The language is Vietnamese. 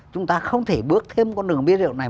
chúng ta không thể bước thêm con đường bia rượu này